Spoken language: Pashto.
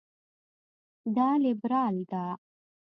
دا لېبرال ده.